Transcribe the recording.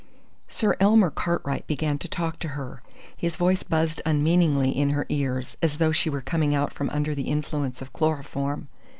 Sir Elmer Cartwright began to talk to her. His voice buzzed unmeaningly in her ears, as though she were coming out from under the influence of chloroform.